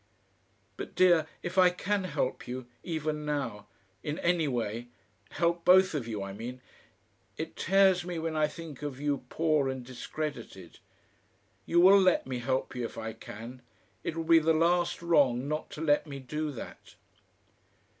"But, dear, if I can help you even now in any way help both of you, I mean.... It tears me when I think of you poor and discredited. You will let me help you if I can it will be the last wrong not to let me do that....